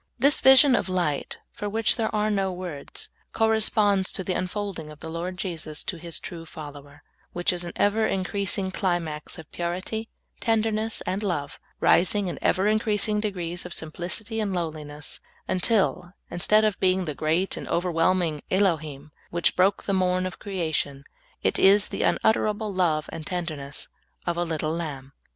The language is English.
This vision of light, for wdiich there are no words, corresponds to the unfolding of the Lord Jesus to His true follower, which is an ever increasing climax of purit}^ tenderness, and love, rising in ever increasing degrees of simplicity and lowliness, until, instead of being the great and overwhelming Elohwi which broke the morn of creation, it is the unutteral^le love and tenderness of a little lamb.